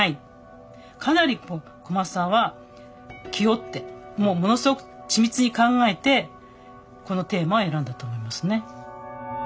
かなり小松さんは気負ってもうものすごく緻密に考えてこのテーマを選んだと思いますね。